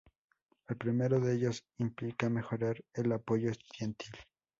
El primero de ellos implica mejorar el apoyo estudiantil.